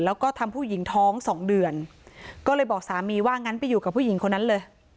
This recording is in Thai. แล้วก็ทำผู้หญิงท้องสองเดือนก็เลยบอกสามีว่างั้นไปอยู่กับผู้หญิงคนนั้นเลย